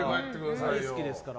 大好きですから。